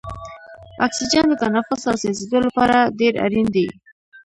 اکسیجن د تنفس او سوځیدو لپاره ډیر اړین دی.